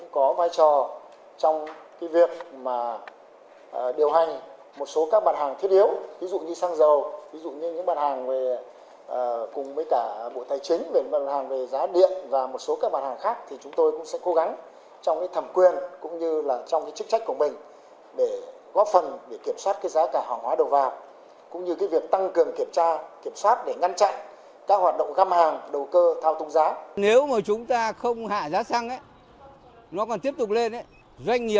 các bộ công thương cũng có vai trò trong việc điều hành